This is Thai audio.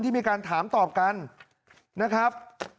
มีการถามตอบกันนะครับ